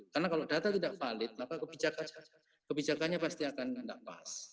karena kalau data itu tidak valid kebijakannya pasti akan tidak pas